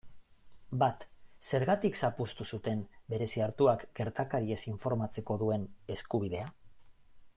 Bat, zergatik zapuztu zuten Bereziartuak gertakariez informatzeko duen eskubidea?